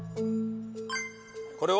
これを？